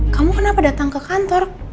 kamu kenapa datang ke kantor